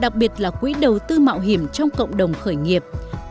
đặc biệt là quỹ đầu tư mạo hiểm trong cộng đồng khởi nghiệp